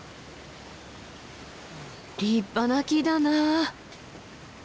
立派な木だなあ。